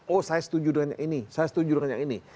oh saya setuju duanya ini saya setuju dengan yang ini